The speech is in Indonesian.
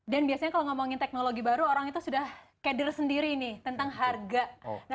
dan biasanya kalau ngomongin teknologi baru orang itu sudah keder sendiri nih tentang harga